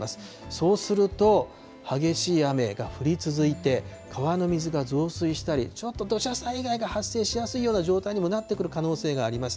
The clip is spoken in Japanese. そうすると、激しい雨が降り続いて、川の水が増水したり、ちょっと土砂災害が発生しやすいような状態にもなってくる可能性があります。